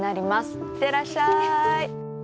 行ってらっしゃい。